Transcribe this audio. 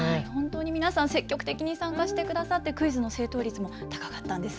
皆さん積極的に参加してくださってクイズの正答率も高かったんです。